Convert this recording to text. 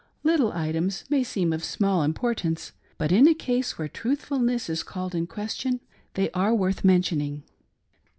Little items may seem of small im portance, but in a case where truthfulness is called in question, they are worth mentioning.